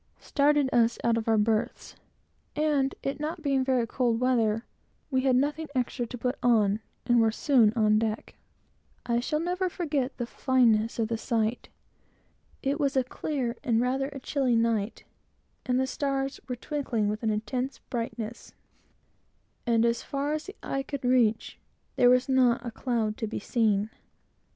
started us out of our berths; and, it not being very cold weather, we had nothing extra to put on, and were soon on deck. I shall never forget the fineness of the sight. It was a clear, and rather a chilly night; the stars were twinkling with an intense brightness, and as far as the eye could reach, there was not a cloud to be seen.